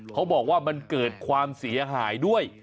เขาบอกว่ามันเกิดความเสียหายด้วย